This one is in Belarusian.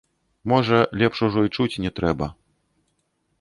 Можа, лепш ужо і чуць не трэба.